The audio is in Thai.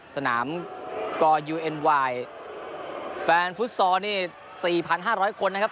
สนามกอร์ยูเอ็นวายแฟนฟุตซอร์นี่สี่พันห้าร้อยคนนะครับ